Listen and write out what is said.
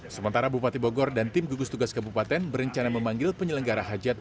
sementara bupati bogor dan tim gugus tugas kabupaten berencana memanggil penyelenggara hajat